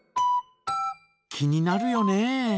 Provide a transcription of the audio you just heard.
気になるよね。